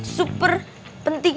ini super penting